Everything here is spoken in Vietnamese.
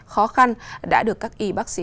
khó khăn đã được các y bác sĩ